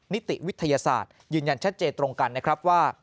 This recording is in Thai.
นิติวิทยาศาสตร์ยืนยันชัดเจนตรงกันนะครับว่า